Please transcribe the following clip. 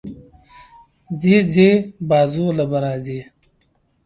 ځې ځې، بازو له به راځې